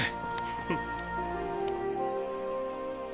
フッ。